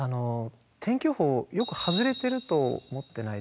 天気予報よく外れてると思ってないでしょうかね？